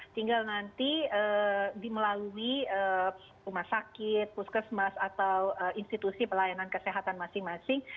tinggal nanti dimelalui rumah sakit puskesmas atau institusi pelayanan kesehatan masing masing